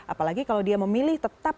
apalagi kalau dia memilih tetap